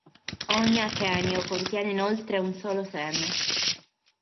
Ogni achenio contiene inoltre un solo seme.